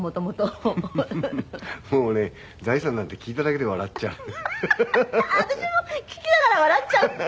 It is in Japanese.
もうね「財産」なんて聞いただけで笑っちゃう。